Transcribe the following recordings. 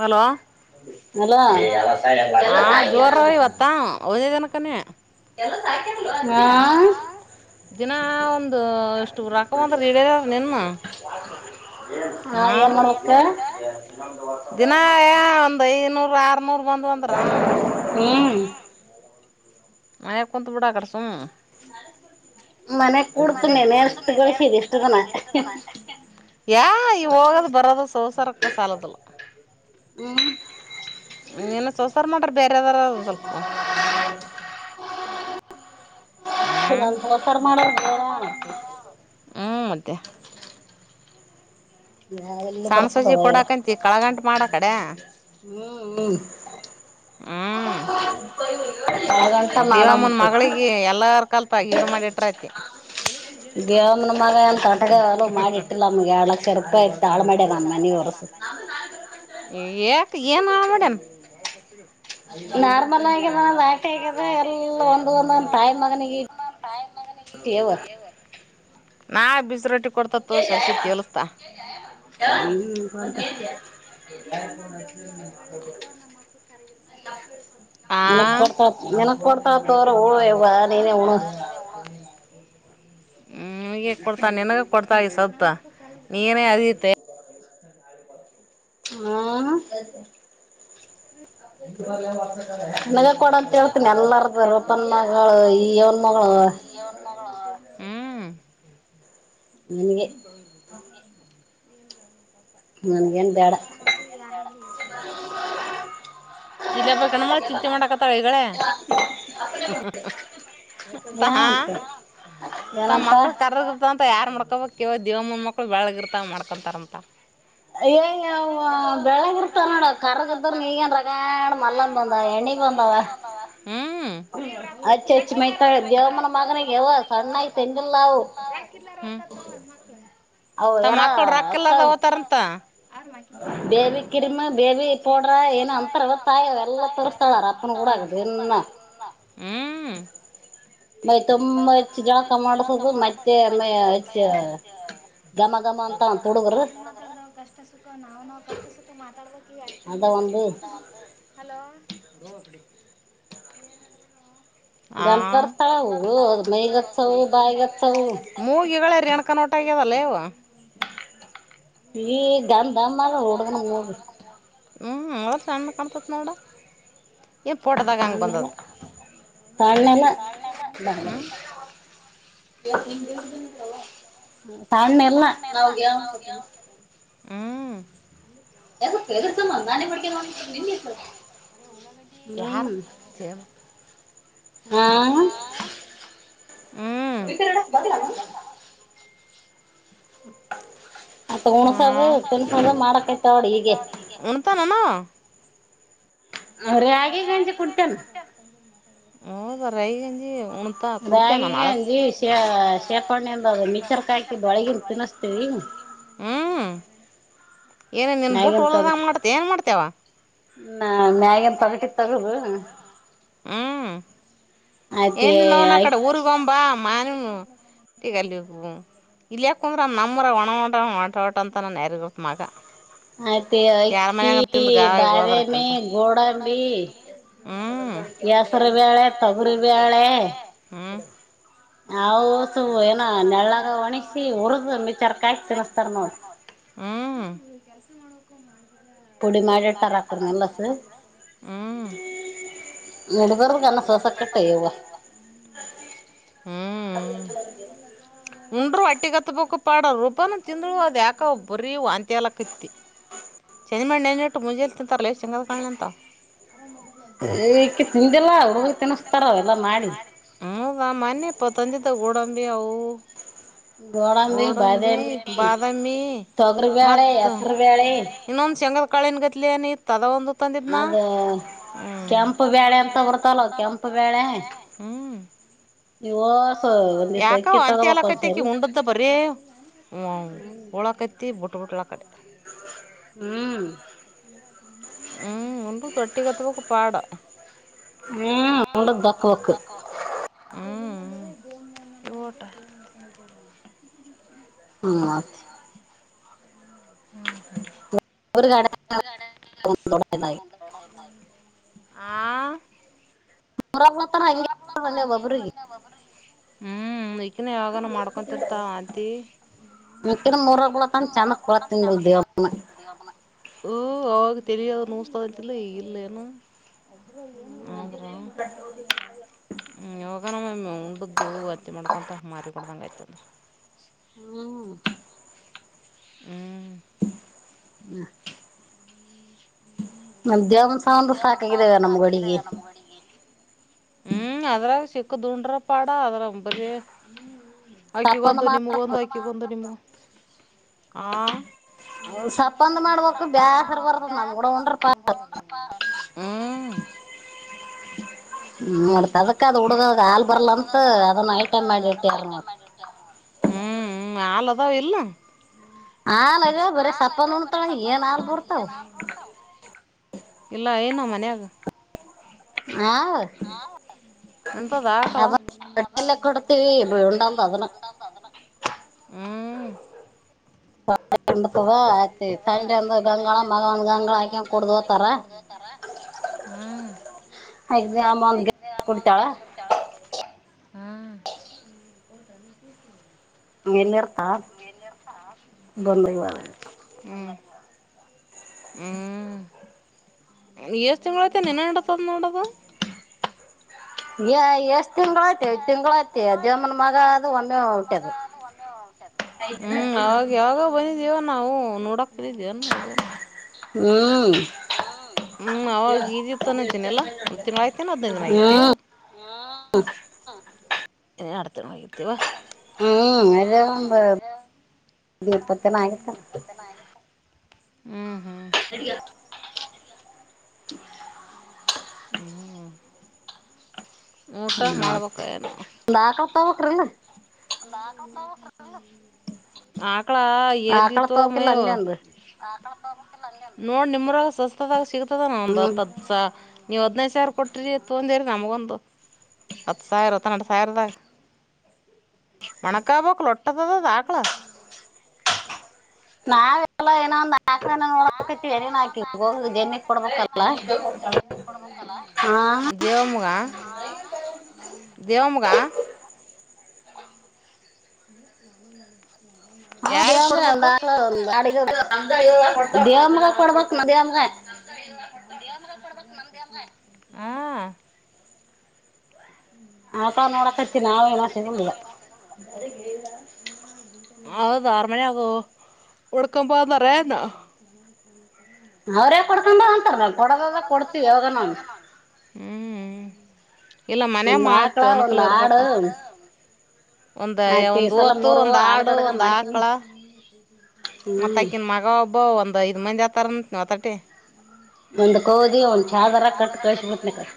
Hello ಹಾ ಜೋರವರೆ ಇವತ್ತು ಒಂದ ತನಕನ ಹಾ ದಿನಾ ಒಂದು ಎಷ್ಟು ರಕ ಅಂದ್ರೆ ಇಡರಾರ ನಿನ್ನ ಹ ಏನಮಾರಾಕ್ ದಿನ ಒಂದು ಐನೂರು ಆರುನೂರು ಬಂದವ ಅಂದ್ರ ಹ್ಮ್ ಮನೆಯ ಕುಂತ್ಬಿಡ ಹಂಗಾರ್ ಸುಮ್ಮ ಮನೆ ಕುೂಡ್ತನಿ ಎಷ್ಟು ಗಳಿಸಿದಿ ಇಷ್ಟ ದಿನ ಯಾ ಈವ ಹೋಗದ್ ಬರದು ಸೋಸ ಸರಕ್ಕ ಸಾಲದಲ್ಲ ಸೊಸಾರ್ ನೋಡ್ರಿ ಬೇರೆದಾರ ಸ್ವಲ್ಪ ಚಲಂತ ಒತರ ಮಾಡತ್ತ ಸಣಸವಜಿ ಕೊಡಕಂತ ಕಳಗಂಟ ಮಾಡ ಕಡೆ ಹ್ಮ್ ದೇವಮ್ಮನ್ ಮಗಳಿಗೆ ಎಲ್ಲಾರ್ ಕಲ್ತಾ ಗಿಡ ಮಾಡಿಟ್ರ ಐತಿ ಚಲೋ ನೀಗನ್ ಮಾತಾಡ [unintelligible] ತರಸ [unintelligible] ಯಾಕ ಏನ್ ಹಾಳ್ ಮಾಡ್ಯಮ ನಾರ್ಮಲ್ ಆಗಿದ ವಾಕ್ಯ ಆಗಿದ ಎಲ್ಲ ಒಂದು ಒಂದೊಂದ ತಾಯಿ ಮಗನಿಗೆ ವ ನಾ ಬಿಸಿ ರೊಟ್ಟಿ ಕೊಡ್ತತ್ತು ಸೋಸಿ ತೆಲಾಸ್ಟಲ್ ಹ [unintelligible] ಕ [unintelligible] ನೆನಕ್ ಕೊಡ್ತಾ ನೆನಕ್ ಕೊಡ್ತಾತ್ ಅವ್ರ ಯವ್ವ ನೀನೇ ಉಣ್ಣು ಹ ಹ್ಮ ಈಗ ಕೊಡ್ತಾ ನಿನಗ ಕೊಡ್ತಾ ಈ ಸತ್ತ ನೀನೇ ಅರಿತೆ ಹಾ ನನಗ ಕೊಡಂತ ಹೇಳು ನೆಲ್ಲರ್ತ ರೂಪನ್ ಮಗಳು ಈ ಯವನ್ ಮಗಳು ಹ್ಮ ಹ್ಮ [inaudible] ಅವರ ಮಕ್ಕಳಿಗೆ ಬೇಡ ಅಂದರು ಓದಸಿದಲ್ ಇಲ್ಲ ಒಬ್ಬಾಕಿ ಕಣ್ಮಳ ಚಿಂತೆ ಮಾಡಾಕತ್ತಳ ಈಗಳೇ ಹಾ ತಮ್ಮ ಮಕ್ಕಳು ಕರ ಇದ್ದವ ಯಾರ್ ಮಾಡ್ಕೊಬೇಕ ಕೇವ ದೇವಮ್ಮ ಮಕ್ಕಳು ಬೆಳಗ ಇರ್ತ ಮಾಡ್ಕೊಂತಾರ ಅಂತ ಐ ಯವ್ವ ಬೆಳಗ ಇರ್ತ ನೋಡ ಕರ್ಗ ಇದ್ದ್ರ ನೀಗನ್ ರಗಾಡ್ ಮಲ್ಲನ್ ಬಂದ ಎಣ್ಣಿ ಬಂದಾವ ಅಚ್ಚೆ ಅಚ್ಚೆ ಮಾಹಿತ ದೇವಮ್ಮನ ಮಗನಿಗೆ ಯವ ಸಣ್ಣ ಸೆಜಲ್ ನಾವು ಹು ಹೌ ಯಾರ ಅತವ ಬೇಬಿ ಕಿರಿಮ, ಬೇಬಿ ಪೌಡ್ರ ಏನ ಅಂತಾರವ ತಾಯಿ ಅವ ಎಲ್ಲಾ ತರಸ್ತಾಳ ಅವರ್ ಅಪ್ಪನ ಊರಾಗ್ ದಿನ್ನ ಹ್ಮು ಮೈ ತುಂಬಾ ಹಚ್ಚಿ ಜಳಕಾ ಮಾಡಸದು ಮತ್ತೆ [unintelligible] [unintelligible] ಕಷ್ಟ ಸುಖ ನಾವ್ ನಾವ್ ಕಷ್ಟ ಸುಖ ಮಾತಾಡ್ಬೇಕ. ಈ ಅಕ್ಕ ತಂಗ್ಯಾರ್ ಹಲೋ. ನೋಡಿ ಏನಾದ್ರುನು ಗನ್ನ್ ತರಸ್ತಾಳ್ ಊ ಮೂಗಿಗಳ [unintelligible] ಯವ್ವ. ಈಗ್ ದಾನ್ನ್ ದಾನ್ನನ್ ಓಡುದ ನಮಗ್ [unintelligible] ಏನ್ ಪೋಟದಾಗ ಹಂಗ್ ಬಂದದ. [unintelligible] ಏನ್ ತಿಂದಿಲ್ಲ [unintelligible] ಎದಕ್ ಎದ್ಕಮ್ಮ ನಾನೇ ಮಡಿ [unintelligible] ಉಳ್ಳಾಗಡ್ಡಿ ಯಾರ್ [unintelligible] ಹ್ಮು ಆ. [unintelligible] ಮತ್ತ್ ಉನ್ಸೋದು ತಿನ್ಸೋದು ಮಾಡಾಕತ್ತ್ಯಾಳ್ ನೋಡ್ ಹೀಗೆ. ಮಾಮಾ ರಾಗಿ ಗಂಜಿ ಕುಡಿತಾನ್. ಹೌದ್ ರಾಗಿ ಗಂಜಿ ರಾಗಿ [unintelligible] ಶ ಶೇಪಣಿಂದ ಮಿಕ್ಸರ್ಕ್ ಹಾಕಿ ಬೆಳಗನ್ ತಿನಸ್ತೀವಿ. ಹ್ಮು ಏನೇನ್ ನಿನ್ ಬುಟ್ಟು ಹೊಲದಾಗ್ ಮಾಡ್ತಿ ಏನ್ ಮಾಡ್ತೇವ. ನಾ ಮ್ಯಾಗಿನ್ ತೊಗಟಿ ತಗದು ಏನ್ ಇನೋನಾಕ್ ಆಕಡೆ ಊರಿಗೊಂಬಾ ಮಾನ [unintelligible] ಇಲ್ಲೇ ಕುಂದ್ರ ಅನ್ನ್ ನಮ್ಮೂರವರ್ ವನ ವಟ ವಟ ವಟ ಅಂತ [unintelligible] ಮಗ. ಅಯ್ತ್ ಈಗ ಅಕ್ಕಿ, ಬಾದಾಮಿ, ಗೋಡಂಬಿ. ಹೆಸರ್ ಬೇಳೆ, ತೊಗರಿ ಬೇಳೆ. ಆವು [unintelligible] ಏನೋ ನೆಳ್ಳಾಗ ಒಣಗಿಸಿ ಹುರುದ್ ಮಿಕ್ಸರ್ಕ್ ಹಾಕಿ ತಿನ್ನಸ್ತಾರ್ ನೋಡ್. [inaudible] ಹ್ಮು ಹ್ಮು [unintelligible] ಉಂಡ್ರು ಒಟ್ಟಿಗತ್ತಬೇಕ್ ಪಾಡ ರೂಪಾನು ತಿಂದಳು ಅದ ಯಾಕೋ ಬರೀ ವಾಂತಿಆಲಕತಿ. ಚಂಜಿ ಮಾಡಿ ನೇಣಿ ಇಟ್ಟ ಮುಂಜಾನೆ ತಿಂತಾರ್ಲೇ ಶೇಂಗಾದಕಾಳದಂತ. ಈಕ್ಕಿ ತಿಂದಲ್ಲ ಹುಡುಗ ತಿನ್ನಸ್ತಾರ್ ಎಲ್ಲಾ ಮಾಡಿ. [unintelligible] ಗೋಡಂಬಿ ಅವು [unintelligible] ಗೋಡಂಬಿ, ಬಾದಾಮಿ, ತೊಗರಿ ಬ್ಯಾಳೆ, ಹೆಸರ್ ಬ್ಯಾಳೆ. ಇನ್ನೊಂದ್ ಶಂಗಾದ ಕಾಳಿನ್ ಗತ್ಲೆ ಏನ್ ಇತ್ತ್ ಅದ ಒಂದು ಅದ ಹ್ಮು ಹ್ಮು. ಇವ್ ಯಾಕೋ ವಾಂತಿ ಆಲಾಕತ್ತಿತ್ ಅಕ್ಕಿಗ ಉಂಡದ್ದ ಬರೇ. ಹೂ ಆವ್ ಹೋಳಾಕತ್ತಿ ಬುಟ್ಟ ಬುಟ್ಟಳ ಆಕಡಿ. ಹ್ಮು ಹ್ಮು ಅಂದ್ರು ತೊಟ್ಟಿಗ ಹಚ್ಕೋಕ್ ಪಾಡಾ. ಹ್ಮು [unintelligible] ದಕ್ಕಬೇಕ್. ಹ್ಮು [unintelligible] ಹ್ಮೆ [inaudible] ಆಆ ನರತ್ತರ ಹಂಗೆ ಒಬ್ರಿಗ್ ಹ್ಮ್ ಐಕೆನ್ ಯಾವಾಗಾನ ಮಾಡ್ಕೊತಿರ್ತಾವ ಆಂತಿ ಇ ಮೂರಳತ್ತ ಚೆನ್ನ ಕುಳತಿಂದ ದೇವರ ಮನೀ ಹ ಅವಾಗ ತಲಿಅದು ನೋಸ್ತಾದ ಅಂತಿಲ್ಲ ಈಗ ಇಲ್ಲ ಏನು ಅಂದ್ರ ಹ ಯಾವಗನ ಒಮ್ಮು ಉಂಡದ್ದು ವಾಂತಿ ಮಾಡ್ಕೊಂತ ಮಾರಿ ಬಡದಂಗ ಆಯ್ತದ ಹ್ಮ್ ಹ್ಮ್ [unintelligible] ಮಧ್ಯಾಹ್ ಸ ಒಂದು ಸಾಕಾಗಯದ ಯುವಾ ನಮ್ ಅಡಗಿ ಹ್ಮ್ ಅದರ ಸಿಕ್ಕ ತದುಂಡರ ಪಾಡಾ ಅದರಾಗ ಬರೇ ಅಕ್ಕಿಗೊಂದು ನಿಮ್ಗ ಒಂದು ಅಕ್ಕಿಗೊಂದು ನಿಮ ಒಂದ ಸಪ್ಪಂದ ಮಾಡ್ಬೇಕ್ ಬೇಸ್ರ ಬರ್ತದ ನಮ್ಗೂಡ ಉಂಡ್ರ ಪಾಡು ಹ್ಮ್ ಹ್ಮ ಅದಕ್ಕದ ಹುಡುಗ ಹಾಲ್ ಬರ್ಲ ಅಂತ ಅದನ್ನ ಐಟೈಮ್ ಮಾಡಿರ್ತೇವ ನಾವ್ ಹ್ಮ್ ಹ್ಮ್ ಹಾಲ್ ಅದಾವ ಇಲ್ಲ ಹಾಲ್ ಆಗ್ಯವ ಬರ ಸಪ್ಪನ್ ಉಣತಾಳ ಏನ್ ಹಾಲ್ ಬರ್ತಾವ ಇಲ್ಲ ಏನು ಮನ್ಯಾಗ ಹಾ ಹೆಂತಾದ ಆಕಳ ಹ್ಮ್ [unintelligible] ಆ ತಂದೆ ಒಂದ ಗಂಗಳ ಮಗ ಒಂದ ಗಂಗಳ ಹಾಕೆ ಕುೂಡದ ಹೋತಾರ ಹ್ಮ ಐತು [unintelligible] ಹೂ ಎಲ್ಲಿ ಇರ್ತಾಳ ಬಂದಇವಾಗ ಹ್ಮ್ ಎಷ್ಟ ತಿಂಗಳ ಐತ ಅದು ಇನ್ನ ಇಡತದ ನೋಡದು ಎಷ್ಟ್ ತಿಂಗಳ ಐತಿಷ್ಟ ತಿಂಗಳ ಐತಿ ದೇಮ್ಮನ್ ಮಗ ಅದು ಒಮ್ಮೆ ಹುಟ್ಯಾದ ಹ್ಮ್ ಅವಾಗ ಯಾವಾಗೊ ಆ ಬಂದಿದ್ದೀವಿ ನಾವು ನೋಡಕ್ ಬಂದಿದ್ವೀನು ನೋಡುವನ್ ಹ್ಮ್ ಅವಾಗ ಇದಿತ್ತುನ್ದಿನಲ್ಲಾ ಒಂದ್ ತಿಂಗಳ ಆಯ್ತೇನ ಹದನೈಧು ದಿನ ಆಗೈತೆ [unintelligible] ಏನ್ ಎರಡ್ ತಿಂಗಳ ಅಗೆತ ಏನ್ ಯುವಾ ಹ್ಮ್ [unintelligible] ಹ್ಮ್ ಹ್ಮ್ [inaudible] ಹ್ಮ್ ಮತ್ತ ಒಂದ ಆಕಳ ತೊಗೊಬೆಕ್ ಇಲ್ಲಾ ಆ ಕ್ಕಳಾ ಎಲ್ಲಿಂದ ತೊಂಬೆಕ್ ನೋಡ್ ನಿಮ್ಮ್ರಾಗ ಸಸ್ತದಾಗ ಸಿಗ್ತದ ನ ಒಂದ ಹತ್ತ ಹತ್ತ ಸಾ ನೀವು ಹದನೈದು ಸಾವಿರ ಕೊಟ್ಟ್ರರಿ ತೊಗೊಂಡಿರಿ ನಮಗೊಂದು ಹತ್ತು ಸಾವಿರ ಹತ್ತ ಹನ್ನೆರಡು ಸಾವಿರದ ಮಣಕಾಬೋಕ್ ಲೊಟ್ಟದದ ಆಕಳ ನಾವ ಎಲ್ಲ ಏನ [unintelligible] ಕ ನೋಡರಿನ ಹಾಕ ಹೋಗ ಜನ್ನಿ ಕೊಡ್ಬೇಕಲ್ಲ [unintelligible] ದೇವಮಗ [unintelligible] ದಮಂಗ [unintelligible] ಹಾ ದೇವಂಗ್ರ ಬಾಳ ಅಡಿಗೆ ದೇವಾಮಗ ಕೊಡ್ಬೇಕು ನ ದೇವಾಮಗ [unintelligible] ಹ್ಮ [unintelligible] ಆ ತ ನೋಡ ಕಚ್ಚ ನಾಾವ ಏನ ಸಿೆಗೊಂಡುದ [unintelligible] ಅ ತಾರ್ಮನೆ ಅದು ಉಡುಕಪಂದರಾನ [unintelligible] ಅವ್ರೇ ಕೊಡ್ಕೊಂಡ ಅಂತಾರ ನ ಕೊಡದದ ಕೊಡ್ತಿೀವಿ ಯಾವಾಗ ನ ಒಂದು ಆಕಳಾ ಒಂದು ಆಡು ಒಂದ ಒಂದ್ [unintelligible] ತ್ತು ಒಂದ್ ಆಡು ಒಂದ್ ಆಕ್ಳ ಮತ್ತ ಅಕನ್ ಮಗ ಒಬ್ಬ ಒಂದ್ ಐದ ಮಂದಿ ಆತಾರಂತ ಒತಟಿ [unintelligible] ಹ್ಮ ಒಂದು ಗೋದಿ ಚ ತರ [unintelligible] ಕಂಡಕ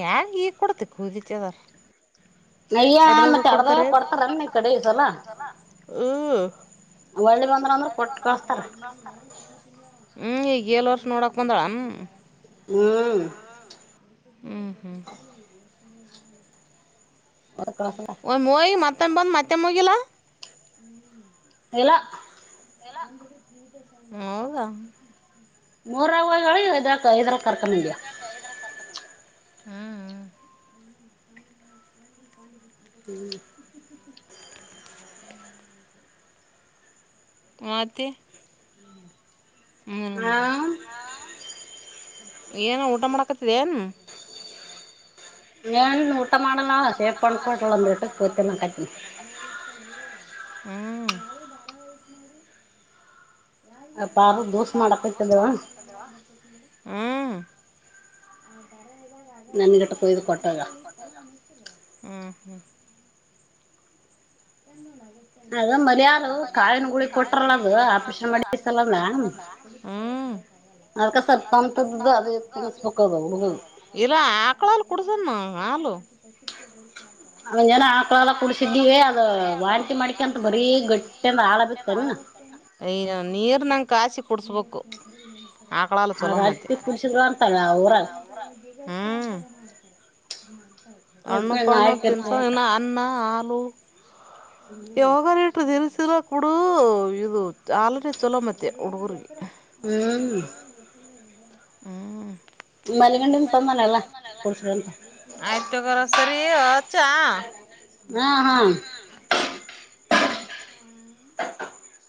ಯನ್ ಈ ಕೊಡತ ಕುದಚದಾರ [unintelligible] ಅಡದ ಹೋಗ ಕೊಡ್ತಾರೆ ಹ [unintelligible] ಒಳ್ಳ ಬಂದ ಕೊ [unintelligible] ಹ್ಮ್ ಈಗ ಏಳ್ ವರ್ಷ ನೋಡಾಕ್ ಬಂದಳ [unintelligible] ಹ್ಮ್ [inaudible] ಹ್ಮ್ ಹ್ಮ್ ಮಯ ಮಾತಮ ಬಂದ ಮಾತಮೋಗಲ್ಲ [unintelligible] ಇಲ್ಲ ಹೌದ [inaudible] ಮೂರಿಗಳು ಇದ ಐದರ ಕರ್ಕಂಬಂಡಿಯ [unintelligible] ಹ್ಮ ಹ [unintelligible] ಹ್ಮ್ [unintelligible] ಮತ್ತಿ ಹಾ [inaudible] ಏನ ಊಟ ಮಾಡಾಕತ್ತಿದ ಏನ್ ನ್ ನಊಟ ಮಾಡೋಲ್ಲಾ ಕೇಪೊಳ ನಟ [unintelligible] ಹ್ಮ್ [inaudible] ನಾ ಯ ದೋ ಮಾಡ [unintelligible] ನನ್ ಗಟ್ಟ ಕೊಯ್ದು ಕೊಟ್ಟಾಗ ಹ್ಮ್ ಹ್ಮ್ ಕನು [unintelligible] ಅದ ಮನದು ಕಾಯಿ ಹಳಿ ಕೊಟ್ರಲ್ಲ ಅದು ಆಪರೇಷನ್ ಮಾಡಿತಲ್ಲ [unintelligible] [unintelligible] ಇಲ್ಲ ಆಕ್ಳಲ್ ಕುಡ್ಸಣ ಹಾಲು [unintelligible] ಹಬ [unintelligible] ಅವ್ ಜನ ಹಾಕಳಲ್ಲ ಕುಡಸಿದ್ದಿವವಿ ಅ [unintelligible] ನೀರ್ [unintelligible] ನಂಗೆ ಕಾಸಿ ಕೂಡುಸ್ಬೇಕು ಆಕಳಾಲ ಚಲ್ಲ ಮತ್ತೆ ಹ್ಮ್ [unintelligible] ಹಣ್ಣು ಪಣ್ಣು ತಿಂಸು ಇನ್ನು ಅಣ್ಣ ಹಾಲು ಯಾವಾಗಾದ್ರೂ ಇಟ್ರ ಇರ್ಸಿಲ್ಲ ಕೂಡ ಇದು ಚಾಲನೆ ಚಲೋ ಮತ್ತೆ ಹುಡುಗರ್ರಿಗೆ ಹ್ಮ ಹ್ಮ್ ಮಲಿಗಂಡಿನ ತೊಂದನ ಅಲ್ಲಾ ಆಯ್ತುಗರ ಸರಿ ಅಚ್ಚ [unintelligible] ಹಾ ಹಾ [inaudible] ಹ [inaudible]